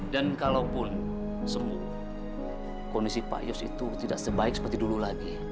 dan kalaupun semu kondisi pak yos itu tidak sebaik seperti dulu lagi